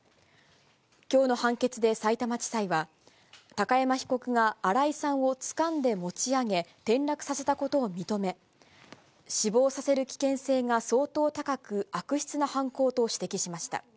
きょうの判決でさいたま地裁は、高山被告が新井さんをつかんで持ち上げ、転落させたことを認め、死亡させる危険性が相当高く、悪質な犯行と指摘しました。